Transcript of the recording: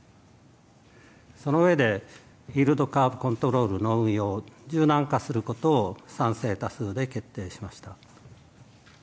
その上で、イールドカーブ・コントロールの運用を、柔軟化することを賛成多数で決定しました。